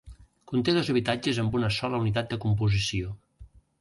Conté dos habitatges amb una sola unitat de composició.